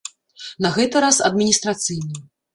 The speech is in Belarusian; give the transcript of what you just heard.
На гэты раз адміністрацыйны.